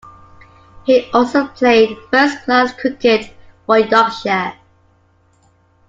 He also played first-class cricket for Yorkshire.